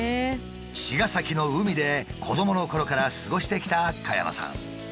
茅ヶ崎の海で子どものころから過ごしてきた加山さん。